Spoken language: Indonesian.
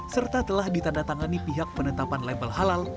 serta telah ditandatangani pihak penetapan label halal